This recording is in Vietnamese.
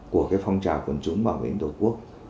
của phong trào quân chúng bảo vệ an ninh tổ quốc